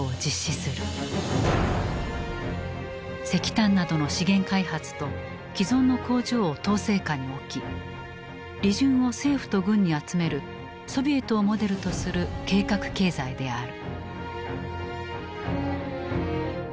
石炭などの資源開発と既存の工場を統制下に置き利潤を政府と軍に集めるソビエトをモデルとする計画経済である。